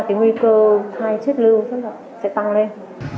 thì nguy cơ thai chết lưu sẽ tăng lên